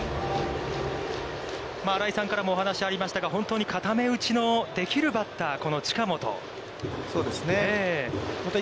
新井さんからもお話がありましたが、本当に固め打ちのできるバッター、この近本。